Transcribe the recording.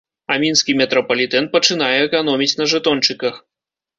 А мінскі метрапалітэн пачынае эканоміць на жэтончыках.